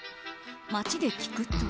街で聞くと。